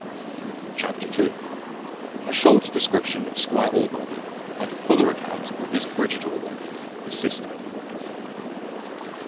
Chapter ii. A short description of squire Allworthy, and a fuller account of Miss Bridget Allworthy, his sister.